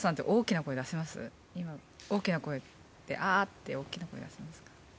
大きな声ってあーって大きな声出せますか？